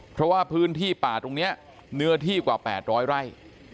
เพราะว่าพื้นที่ป่าตรงนี้เนื้อที่กว่า๘๐๐ไร่